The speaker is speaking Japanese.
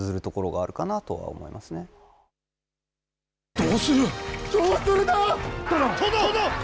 どうする？